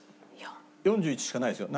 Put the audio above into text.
４１しかないですよ。